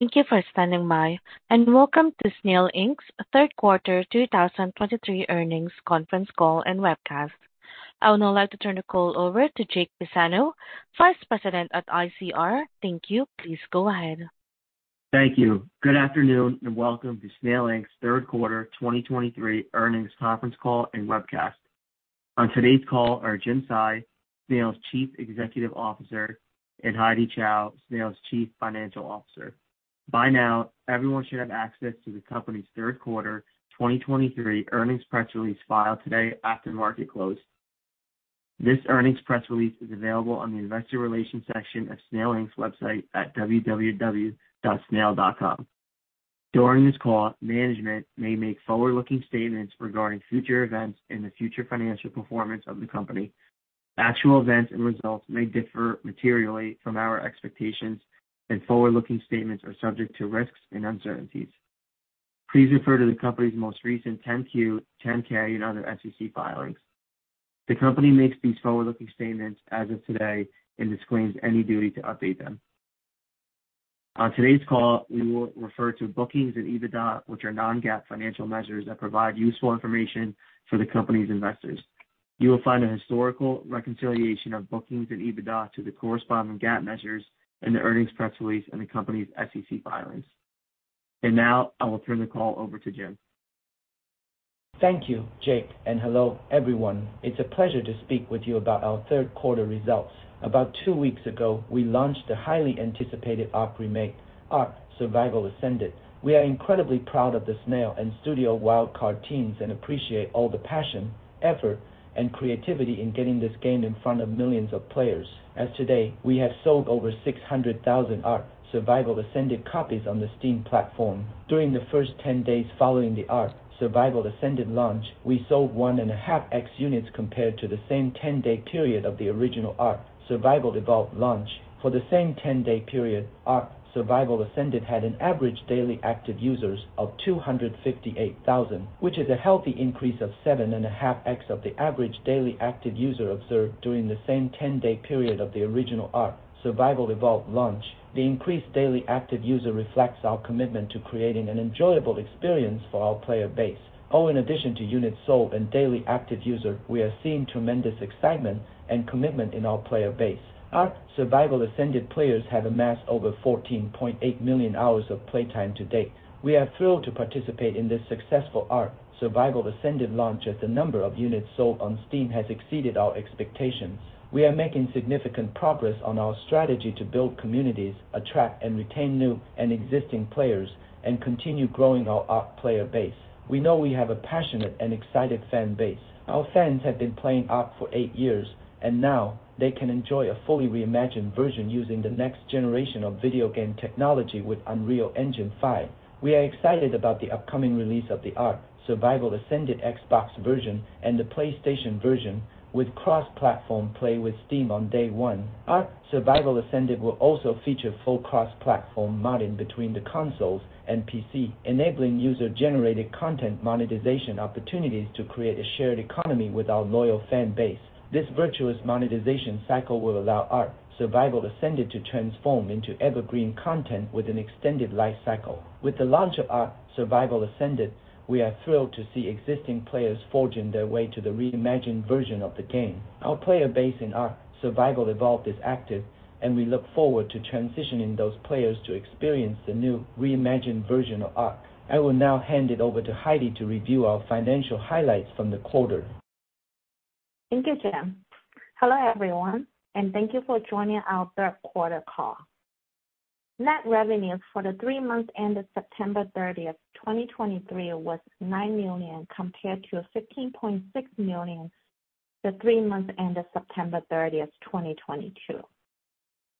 Thank you for standing by, and welcome to Snail, Inc.'s third quarter 2023 earnings conference call and webcast. I would now like to turn the call over to Jake Pisano, Vice President at ICR. Thank you. Please go ahead. Thank you. Good afternoon, and welcome to Snail, Inc.'s third quarter 2023 earnings conference call and webcast. On today's call are Jim Tsai, Snail's Chief Executive Officer, and Heidy Chow, Snail's Chief Financial Officer. By now, everyone should have access to the company's third quarter 2023 earnings press release filed today after market close. This earnings press release is available on the investor relations section of Snail, Inc.'s website at www.snail.com. During this call, management may make forward-looking statements regarding future events and the future financial performance of the company. Actual events and results may differ materially from our expectations, and forward-looking statements are subject to risks and uncertainties. Please refer to the company's most recent 10-Q, 10-K and other SEC filings. The company makes these forward-looking statements as of today and disclaims any duty to update them. On today's call, we will refer to bookings and EBITDA, which are non-GAAP financial measures that provide useful information for the company's investors. You will find a historical reconciliation of bookings and EBITDA to the corresponding GAAP measures in the earnings press release and the company's SEC filings. And now I will turn the call over to Jim. Thank you, Jake, and hello, everyone. It's a pleasure to speak with you about our third quarter results. About two weeks ago, we launched the highly anticipated ARK remake, ARK: Survival Ascended. We are incredibly proud of the Snail and Studio Wildcard teams and appreciate all the passion, effort, and creativity in getting this game in front of millions of players. As of today, we have sold over 600,000 ARK: Survival Ascended copies on the Steam platform. During the first 10 days following the ARK: Survival Ascended launch, we sold 1.5x units compared to the same 10-day period of the original ARK: Survival Evolved launch. For the same 10-day period, ARK: Survival Ascended had an average daily active users of 258,000, which is a healthy increase of 7.5x of the average daily active user observed during the same 10-day period of the original ARK: Survival Evolved launch. The increased daily active user reflects our commitment to creating an enjoyable experience for our player base. Oh, in addition to units sold and daily active user, we are seeing tremendous excitement and commitment in our player base. ARK: Survival Ascended players have amassed over 14.8 million hours of playtime to date. We are thrilled to participate in this successful ARK: Survival Ascended launch, as the number of units sold on Steam has exceeded our expectations. We are making significant progress on our strategy to build communities, attract and retain new and existing players, and continue growing our ARK player base. We know we have a passionate and excited fan base. Our fans have been playing ARK for eight years, and now they can enjoy a fully reimagined version using the next generation of video game technology with Unreal Engine 5. We are excited about the upcoming release of the ARK: Survival Ascended Xbox version and the PlayStation version with cross-platform play with Steam on Day One. ARK: Survival Ascended will also feature full cross-platform modding between the consoles and PC, enabling user-generated content monetization opportunities to create a shared economy with our loyal fan base. This virtuous monetization cycle will allow ARK: Survival Ascended to transform into evergreen content with an extended life cycle. With the launch of ARK: Survival Ascended, we are thrilled to see existing players forging their way to the reimagined version of the game. Our player base in ARK: Survival Evolved is active, and we look forward to transitioning those players to experience the new reimagined version of ARK. I will now hand it over to Heidy to review our financial highlights from the quarter. Thank you, Jim. Hello, everyone, and thank you for joining our third quarter call. Net revenues for the three months ended September 30, 2023, was $9 million, compared to $15.6 million the three months ended September 30, 2022.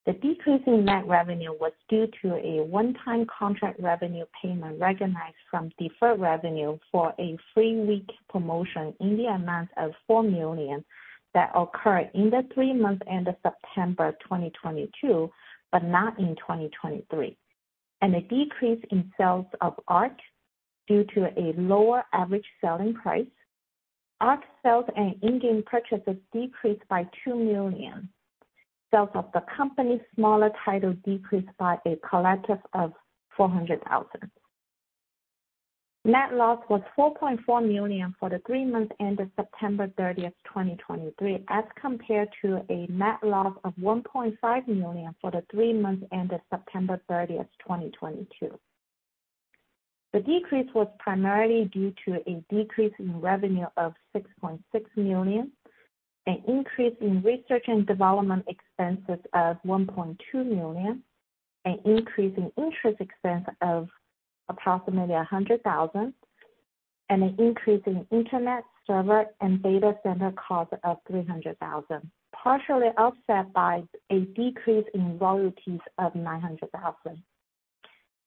The decrease in net revenue was due to a one-time contract revenue payment recognized from deferred revenue for a three-week promotion in the amount of $4 million that occurred in the three months ended September 2022, but not in 2023, and a decrease in sales of ARK due to a lower average selling price. ARK sales and in-game purchases decreased by $2 million. Sales of the company's smaller title decreased by a collective of $400,000. Net loss was $4.4 million for the three months ended September 30, 2023, as compared to a net loss of $1.5 million for the three months ended September 30, 2022. The decrease was primarily due to a decrease in revenue of $6.6 million, an increase in research and development expenses of $1.2 million, an increase in interest expense of approximately $100,000, and an increase in internet, server, and data center costs of $300,000, partially offset by a decrease in royalties of $900,000,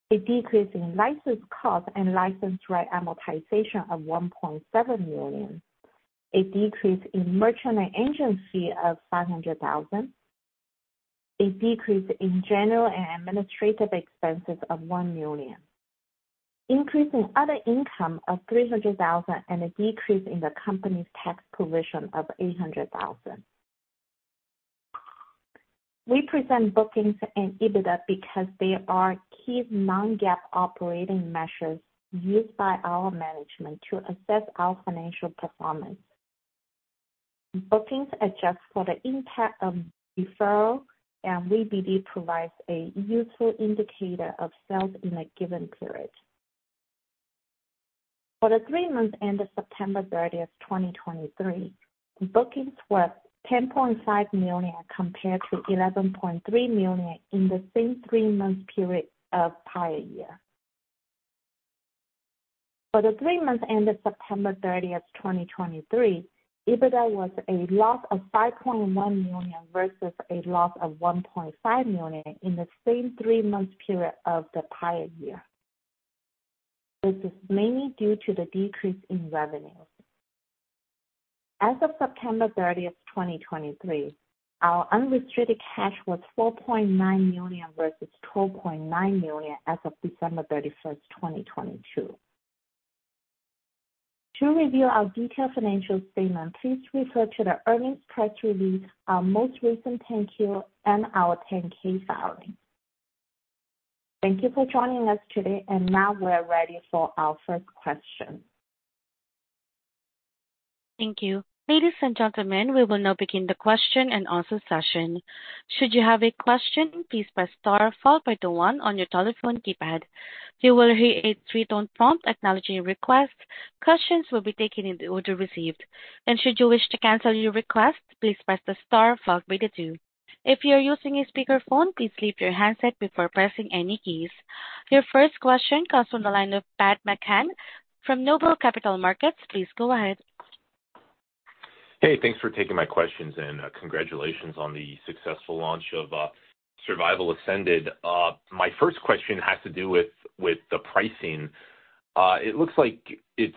a decrease in license costs and license right amortization of $1.7 million, a decrease in merchant and agency of $500,000, a decrease in general and administrative expenses of $1 million, increase in other income of $300,000, and a decrease in the company's tax provision of $800,000.... We present bookings and EBITDA because they are key non-GAAP operating measures used by our management to assess our financial performance. Bookings adjust for the impact of deferral, and it provides a useful indicator of sales in a given period. For the three months ended September 30, 2023, bookings were $10.5 million, compared to $11.3 million in the same three-month period of prior year. For the three months ended September 30, 2023, EBITDA was a loss of $5.1 million versus a loss of $1.5 million in the same three-month period of the prior year. This is mainly due to the decrease in revenues. As of September 30, 2023, our unrestricted cash was $4.9 million versus $12.9 million as of December 31, 2022. To review our detailed financial statement, please refer to the earnings press release, our most recent 10-Q and our 10-K filing. Thank you for joining us today, and now we're ready for our first question. Thank you. Ladies and gentlemen, we will now begin the question and answer session. Should you have a question, please press star followed by the one on your telephone keypad. You will hear a three-tone prompt acknowledging your request. Questions will be taken in the order received, and should you wish to cancel your request, please press the star followed by the two. If you are using a speakerphone, please leave your handset before pressing any keys. Your first question comes from the line of Patrick McCann from Noble Capital Markets. Please go ahead. Hey, thanks for taking my questions, and congratulations on the successful launch of ARK: Survival Ascended. My first question has to do with the pricing. It looks like it's,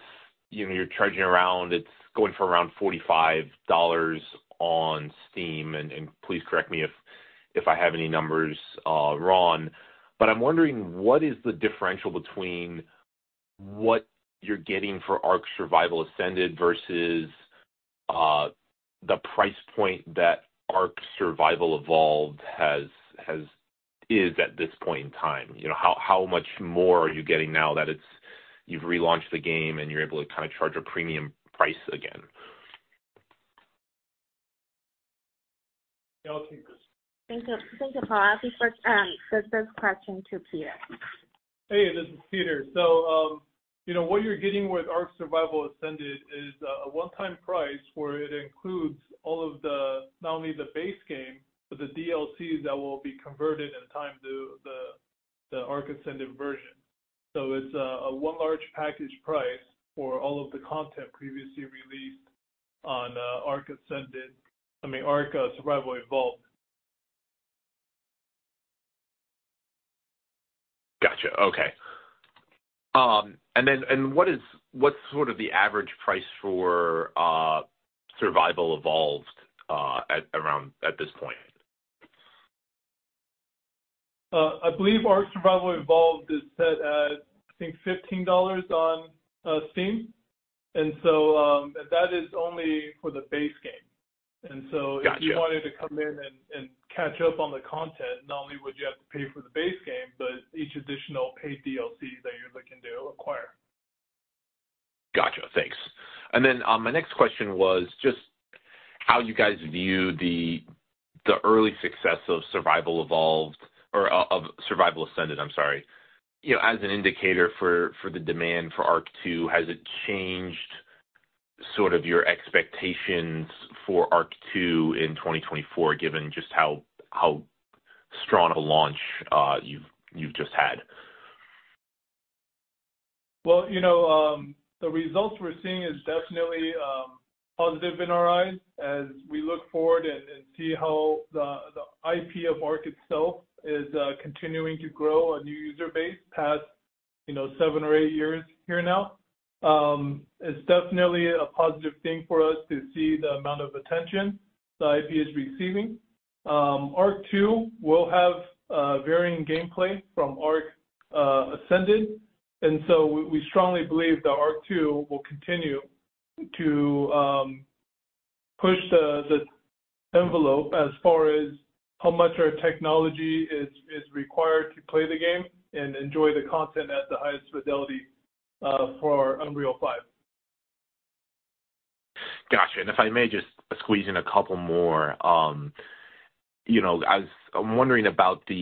you know, you're charging around—it's going for around $45 on Steam, and please correct me if I have any numbers wrong. But I'm wondering, what is the differential between what you're getting for ARK: Survival Ascended versus the price point that ARK: Survival Evolved has at this point in time? You know, how much more are you getting now that it's, you've relaunched the game, and you're able to kind of charge a premium price again? Yeah, I'll take this. Thank you. Thank you, Patrick. I'll refer the first question to Peter. Hey, this is Peter. So, you know, what you're getting with ARK: Survival Ascended is a one-time price, where it includes all of the not only the base game, but the DLCs that will be converted in time to the ARK Ascended version. So it's one large package price for all of the content previously released on ARK Ascended, I mean, ARK: Survival Evolved. Gotcha. Okay. And then, what's sort of the average price for Survival Evolved at around this point? I believe ARK: Survival Evolved is set at, I think, $15 on Steam. And so, and that is only for the base game. And so- Gotcha. If you wanted to come in and catch up on the content, not only would you have to pay for the base game, but each additional paid DLC that you're looking to acquire. Gotcha. Thanks. And then, my next question was just how you guys view the early success of ARK: Survival Evolved or of Survival Ascended, I'm sorry. You know, as an indicator for the demand for ARK 2, has it changed sort of your expectations for ARK 2 in 2024, given just how strong of a launch you've just had? Well, you know, the results we're seeing is definitely positive in our eyes as we look forward and see how the IP of ARK itself is continuing to grow a new user base past, you know, seven or eight years here now. It's definitely a positive thing for us to see the amount of attention the IP is receiving. ARK 2 will have varying gameplay from ARK Ascended, and so we strongly believe that ARK 2 will continue to push the envelope as far as how much our technology is required to play the game and enjoy the content at the highest fidelity for Unreal 5. Gotcha. And if I may just squeeze in a couple more. You know, I'm wondering about the,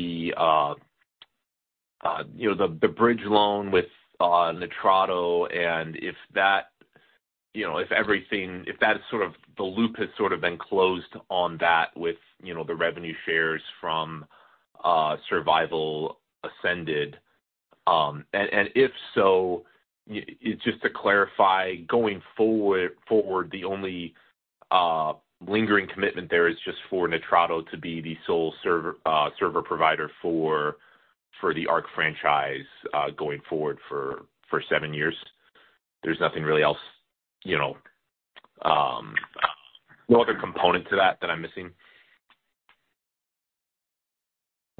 you know, the bridge loan with Nitrado, and if that, you know, if everything, if that sort of the loop has sort of been closed on that with, you know, the revenue shares from Survival Ascended. And if so, just to clarify, going forward, the only lingering commitment there is just for Nitrado to be the sole server provider for the ARK franchise, going forward for seven years. There's nothing really else, you know, no other component to that that I'm missing?...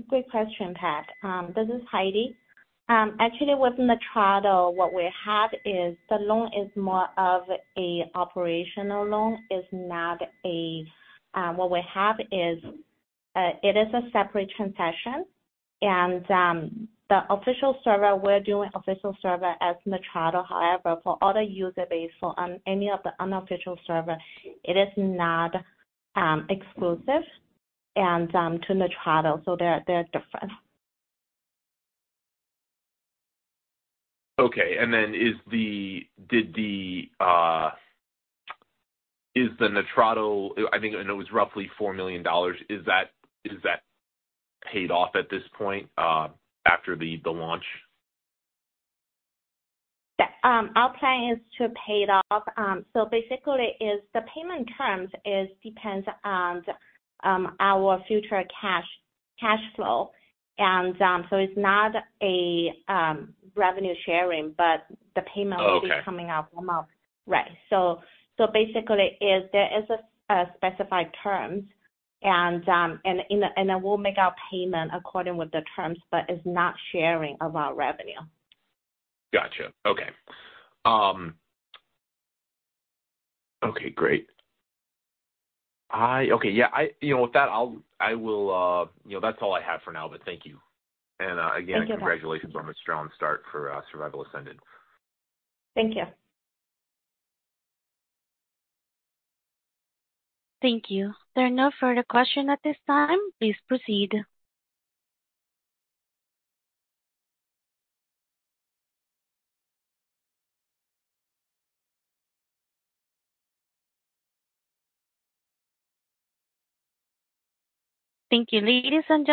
Great question, Patrick. This is Heidi. Actually, with Nitrado, what we have is the loan is more of a operational loan, is not a... What we have is, it is a separate transaction, and, the official server, we're doing official server as Nitrado. However, for other user base, for, any of the unofficial server, it is not, exclusive and, to Nitrado, so they're, they're different. Okay. And then is the Nitrado, I think, it was roughly $4 million. Is that paid off at this point, after the launch? Yeah. Our plan is to pay it off. So basically, is the payment terms is depends on, our future cash, cash flow, and, so it's not a, revenue sharing, but the payment- Okay. will be coming out per month. Right. So, basically, is there a specified terms, and we'll make our payment according with the terms, but it's not sharing of our revenue. Gotcha. Okay. Okay, great. Okay, yeah, I, you know, with that, I will, you know, that's all I have for now, but thank you. Thank you. Again, congratulations on a strong start for Survival Ascended. Thank you. Thank you. There are no further questions at this time. Please proceed. Thank you. Ladies and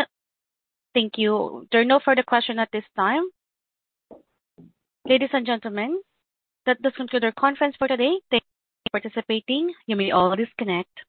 gentlemen, that does conclude our conference for today. Thank you for participating. You may all disconnect.